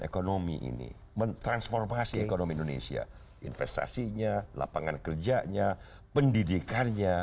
ekonomi ini mentransformasi ekonomi indonesia investasinya lapangan kerjanya pendidikannya